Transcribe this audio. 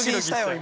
今。